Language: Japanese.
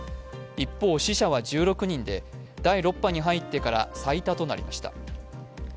一方、死者は１６人で第６波に入ってから最多となりました。